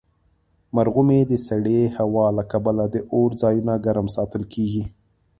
مرغومی د سړې هوا له کبله د اور ځایونه ګرم ساتل کیږي.